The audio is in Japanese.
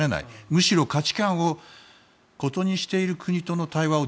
むしろ価値観をともにしている国との間を